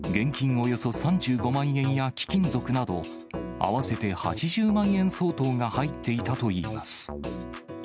およそ３５万円や、貴金属など、合わせて８０万円相当が入っていたといいます。